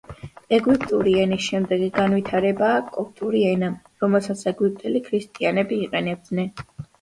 ეგვიპტური ენის შემდეგი განვითარებაა კოპტური ენა, რომელსაც ეგვიპტელი ქრისტიანები იყენებდნენ.